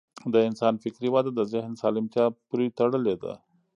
د انسان فکري وده د ذهن سالمتیا پورې تړلې ده.